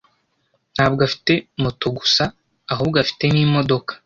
Ntabwo afite moto gusa ahubwo afite n'imodoka.